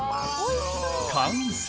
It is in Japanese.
完成